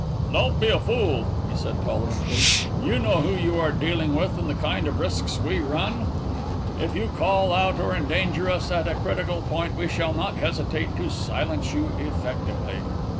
"Don't be a fool," he said tolerantly. "You know who you are dealing with and the kind of risks we run. If you call out or endanger us at a critical point we shall not hesitate to silence you effectively."